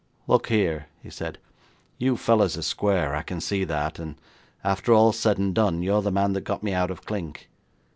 'Look here,' he said, 'you fellows are square, I can see that, and after all's said and done, you're the man that got me out of clink.